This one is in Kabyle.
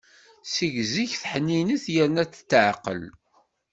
Seg zik ḥninet yerna tetɛeqqel.